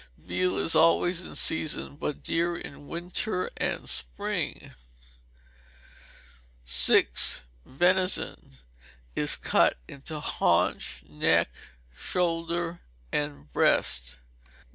Veal is always in season, but dear in winter and spring. vi. Venison is cut into haunch; neck; shoulder; and breast.